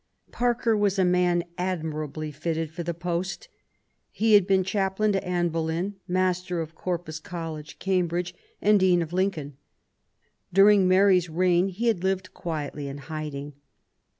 Parker was a man admirably fitted for the post. He had been chaplain to Anne Boleyn, Master of Corpus College, Cambridge, and Dean of Lincoln. During Mary*s reign he had lived quietly in hiding.